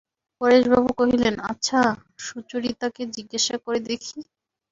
পরেশবাবু কহিলেন, আচ্ছা, সুচরিতাকে জিজ্ঞাসা করে দেখি।